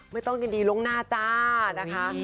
ไม่ต้องก็ดีลงหน้าจ้า